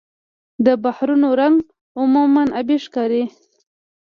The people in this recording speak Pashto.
د بحرونو رنګ عموماً آبي ښکاري.